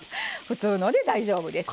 普通ので大丈夫です。